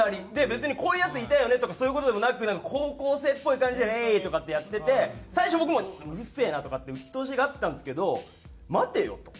別に「こういうヤツいたよね」とかそういう事でもなく高校生っぽい感じで「ヘイ！」とかってやってて最初僕もうるせえなとかってうっとうしがってたんですけど待てよと。